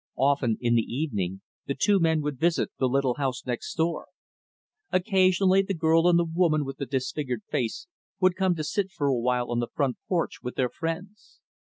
Often, in the evening, the two men would visit the little house next door. Occasionally, the girl and the woman with the disfigured face would come to sit for a while on the front porch with their friends.